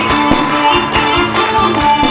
โอ้โห